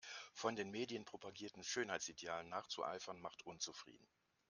Von den Medien propagierten Schönheitsidealen nachzueifern macht unzufrieden.